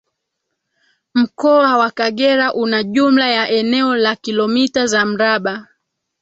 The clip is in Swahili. Mkoa wa Kagera una jumla ya eneo la Kilomita za mraba